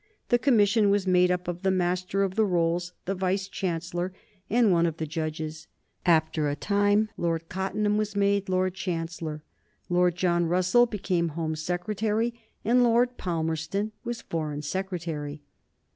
The commission was made up of the Master of the Rolls, the Vice Chancellor, and one of the Judges. After a time Lord Cottenham was made Lord Chancellor. Lord John Russell became Home Secretary, and Lord Palmerston was Foreign Secretary.